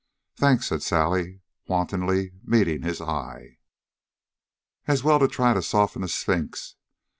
"Thanks," said Sally, wantonly meeting his eye. As well try to soften a sphinx.